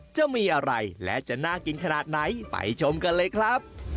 จะมีอะไรและจะน่ากินขนาดไหนไปชมกันเลยครับ